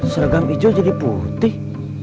sergam hijau jadi putih